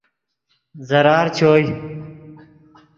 ضرار چوئے